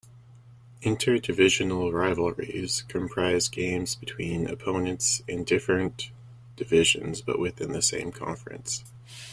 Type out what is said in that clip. Interdivisional rivalries comprise games between opponents in different divisions but within the same conference.